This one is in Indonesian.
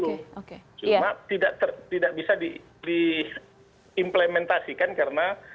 cuma tidak bisa diimplementasikan karena